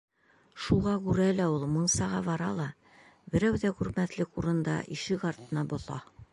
Шуға күрә ул мунсаға бара ла берәү ҙә күрмәҫлек урында ишек артына боҫа.